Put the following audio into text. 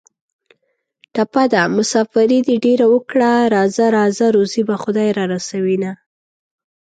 ټپه ده: مسافري دې ډېره وکړه راځه راځه روزي به خدای را رسوینه